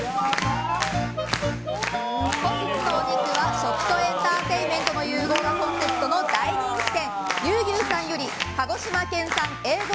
本日のお肉は、食とエンターテインメントの融合がコンセプトの大人気店牛牛さんより鹿児島県産Ａ５